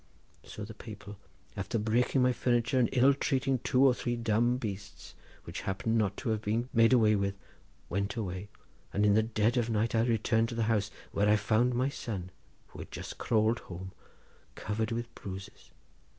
So the people, after breaking my furniture and ill trating two or three dumb beasts, which happened not to have been made away with, went away, and in the dead of night I returned to the house, where I found my son, who had just crawled home covered with blood and bruises.